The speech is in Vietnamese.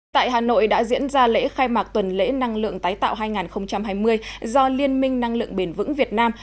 tại hà nội đã diễn ra lễ khai mạc tuần lễ năng lượng tái tạo hai nghìn hai mươi do liên minh năng lượng bền vững việt nam